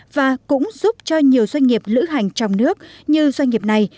và cũng giúp cho nhiều doanh nghiệp lữ hành trong nước như doanh nghiệp này